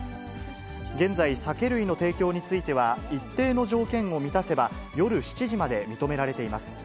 現在、酒類の提供については、一定の条件を満たせば、夜７時まで認められています。